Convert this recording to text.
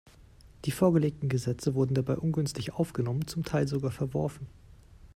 Die vorgelegten Gesetze wurden dabei ungünstig aufgenommen, zum Teil sogar verworfen.